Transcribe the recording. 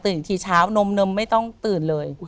อีกทีเช้านมไม่ต้องตื่นเลย